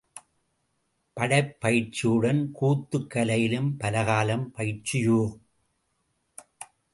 படைப்பயிற்சியுடன் கூத்துக் கலையிலும் பலகாலம் பயிற்சியோ?...